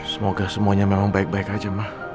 semoga semuanya memang baik baik aja mah